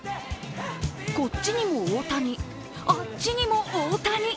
こっちにも大谷、あっちにも大谷。